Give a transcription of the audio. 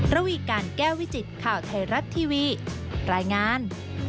ระวีการแก้ววิจิตข่าวไทยรัฐทีวีรายงาน